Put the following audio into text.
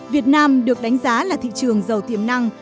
việt nam được đánh giá là thị trường giàu tiềm năng